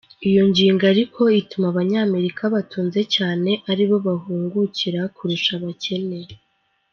Iyo ngingo ariko ituma abanyamerika batunze cane aribo bahungukira kurusha abakene.